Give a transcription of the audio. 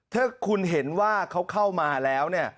ถ้าคุณเห็นว่าเขาเข้ามาแล้วเนี่ย